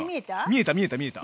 見えた見えた見えた。